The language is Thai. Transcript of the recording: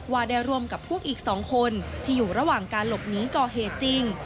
ว่าได้ร่วมกับพวกอีก๒คนที่อยู่ระหว่างการหลบหนีก่อเหตุจริง